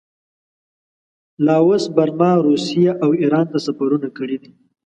لاوس، برما، روسیې او ایران ته سفرونه کړي دي.